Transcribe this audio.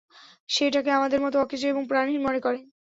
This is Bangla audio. সে এটাকে আমাদের মতো অকেজো এবং প্রাণহীন মনে করে।